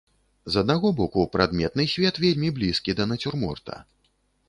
З аднаго боку, прадметны свет вельмі блізкі да нацюрморта.